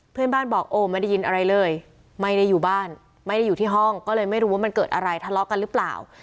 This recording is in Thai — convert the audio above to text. เพื่อนบ้านบอกโอ้ไม่ได้ยินอะไรเลยไม่ได้อยู่บ้านไม่ได้อยู่ที่ห้องก็เลยไม่รู้ว่ามันเกิดอะไรทะเลาะกันหรือเปล่า